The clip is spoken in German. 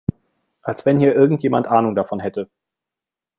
Als wenn hier irgendjemand Ahnung davon hätte!